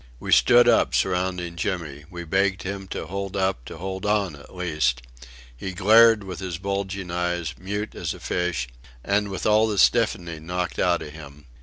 We stood up surrounding Jimmy. We begged him to hold up, to hold on, at least. He glared with his bulging eyes, mute as a fish, and with all the stiffening knocked out of him.